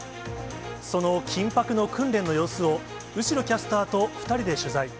その緊迫の訓練の様子を、後呂とキャスターと２人で取材。